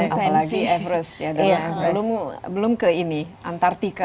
apalagi everest ya belum ke ini antartika